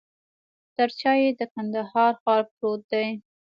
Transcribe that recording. تر شاه یې د کندهار ښار پروت دی.